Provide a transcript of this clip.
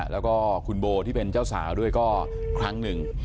แล้วก็คุณโบที่เป็นเจ้าสาวด้วยก็ครั้งหนึ่ง